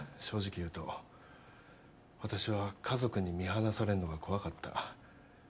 正直言うと私は家族に見放されるのが怖かった。